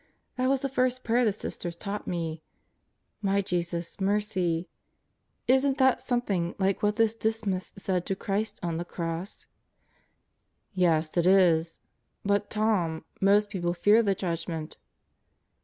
That was the first prayer the Sisters taught me: 'My Jesus, mercy!' Isn't that something like what this Dismas said to Christ on the Cross?" "Yes, it is! But, Tom, most people fear the Judgment."